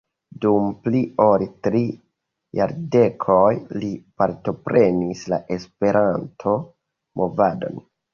Dum pli ol tri jardekoj li partoprenis la Esperanto-movadon.